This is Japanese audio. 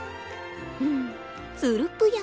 うんつるぷや。